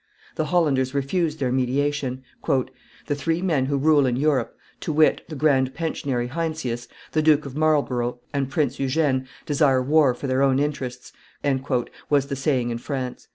The Hollanders refused their mediation. "The three men who rule in Europe, to wit, the grand pensionary Heinsius, the Duke of Marlborough, and Prince Eugene, desire war for their own interests," was the saying in France.